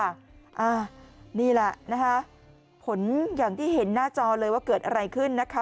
อันนี้แหละนะคะผลอย่างที่เห็นหน้าจอเลยว่าเกิดอะไรขึ้นนะคะ